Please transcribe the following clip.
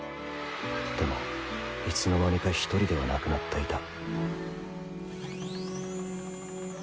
でもいつのまにか１人ではなくなっていた